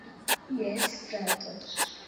Jes, frato.